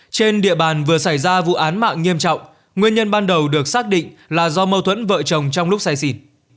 trên địa bàn vừa xảy ra vụ án mạng nghiêm trọng nguyên nhân ban đầu được xác định là do mâu thuẫn vợ chồng trong lúc say xịt